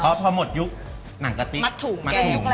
เพราะพอหมดยุคหนังกะติมัดถูกมัดถูก